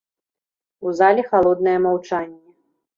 У зале халоднае маўчанне.